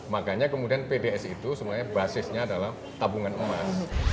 makanya kemudian pds itu sebenarnya basisnya adalah tabungan emas